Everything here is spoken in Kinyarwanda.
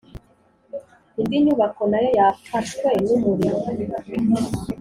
indi nyubako nayo yafashwe n’umuriro